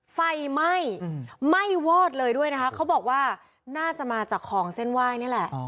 ไฟไหม้ไหม้วอดเลยด้วยนะคะเขาบอกว่าน่าจะมาจากของเส้นไหว้นี่แหละ